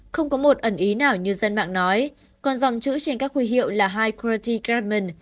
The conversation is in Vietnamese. không có một ẩn ý nào như dân mạng nói còn dòng chữ trên các huy hiệu là high quality garment